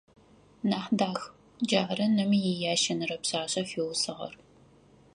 Нахьдах - джары ным иящэнэрэ пшъашъэ фиусыгъэр.